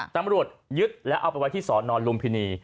ตำรวจยึดแล้วเอาไปไว้ที่สอนอนลุมพินี